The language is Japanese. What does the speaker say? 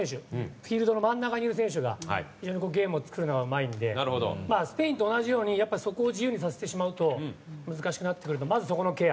フィールドの真ん中にいる選手が非常にゲームを作るのがうまいのでスペインと同じようにそこを自由にさせてしまうと難しくなってくるのでまずそこのケア。